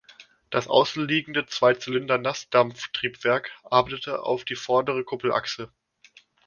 Das außenliegende Zweizylinder-Nassdampftriebwerk arbeitete auf die vordere Kuppelachse.